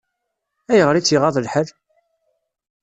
Ayɣer i tt-iɣaḍ lḥal?